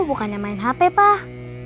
bukannya main hp pak